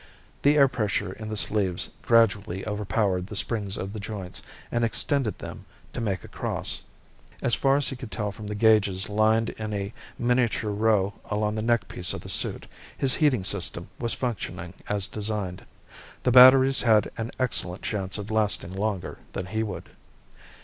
The air pressure in the sleeves gradually overpowered the springs of the joints, and extended them to make a cross. As far as he could tell from the gauges lined in a miniature row along the neckpiece of the suit, his heating system was functioning as designed. The batteries had an excellent chance of lasting longer than he would.